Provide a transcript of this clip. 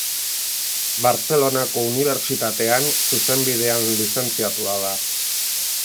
Bartzelonako Unibertsitatean Zuzenbidean lizentziatua da.